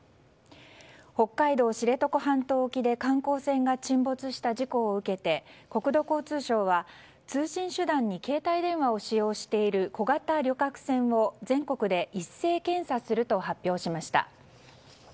北海道知床半島沖で観光船が沈没した事故を受けて国土交通省は通信手段に携帯電話を使用している小型旅客船を全国で一斉検査すると発表しました。